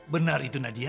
benar itu nadia